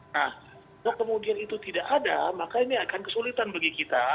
nah kalau kemudian itu tidak ada maka ini akan kesulitan bagi kita